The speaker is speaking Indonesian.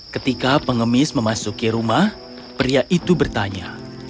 ketika pengemis memasuki rumah pria itu bertanya